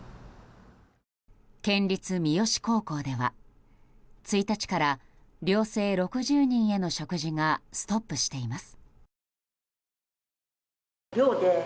県立三次高校では、１日から寮生６０人への食事がストップしています。